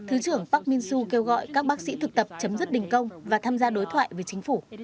thứ trưởng park min soo kêu gọi các bác sĩ thực tập chấm dứt đỉnh công và tham gia đối thoại với chính phủ